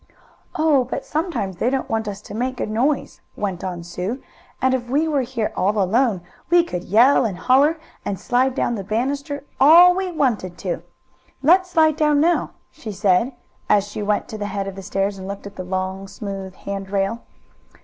"Oh, but sometimes they don't want us to make a noise," went on Sue. "And if we were here all alone we could yell and holler, and slide down the banister, all we wanted to. Let's slide down now," she said, as she went to the head of the stairs, and looked at the long, smooth hand rail.